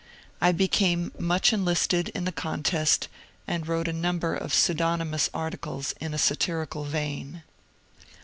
I became much enlisted in the contest and wrote a number of pseudonymous articles in a satirical vein.